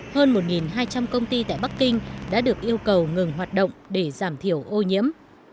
hơn một hai trăm linh công ty tại bắc kinh đã được yêu cầu ngừng hoạt động để giảm thiểu ô nhiễm